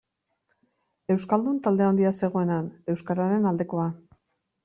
Euskaldun talde handia zegoen han, euskararen aldekoa.